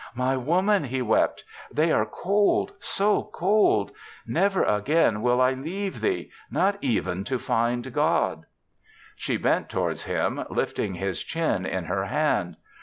"My Woman," he wept, "they are cold so cold. Never again will I leave thee, not even to find God." She bent towards him, lifting his chin in her hand.